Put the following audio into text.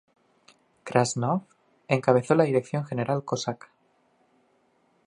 Krasnov, encabezó la Dirección General Cosaca.